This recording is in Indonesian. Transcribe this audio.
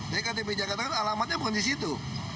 jadi ktp jakarta kan alamatnya pun di situ